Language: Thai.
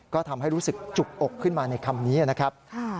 ก็ทำให้รู้สึกจุกอกขึ้นมาในคำนี้นะครับ